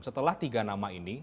setelah tiga nama ini